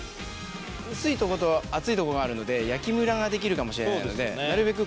薄いとこと厚いとこがあるので焼きムラができるかもしれないのでなるべく